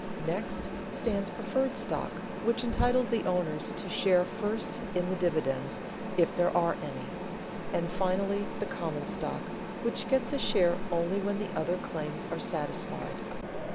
Next stands preferred stock, which entitles the owners to share first in the dividends, if there are any; and finally the common stock, which gets a share only when the other claims are satisfied.